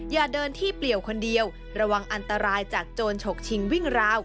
อย่าเดินที่เปลี่ยวคนเดียวระวังอันตรายจากโจรฉกชิงวิ่งราว